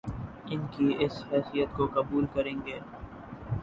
ان کی اس حیثیت کو قبول کریں گے